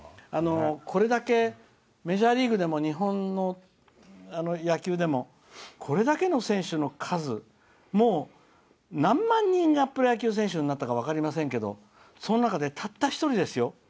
これだけメジャーリーグでも日本の野球でもこれだけの選手の数もう何万人がプロ野球選手になったか分かりませんけどその中で、たった一人ですよ。